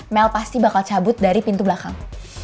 mel pasti bakal cabut dari pintu belakang